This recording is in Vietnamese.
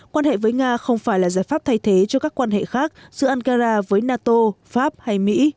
quan hệ với nga không phải là giải pháp thay thế cho các quan hệ khác giữa ankara với nato pháp hay mỹ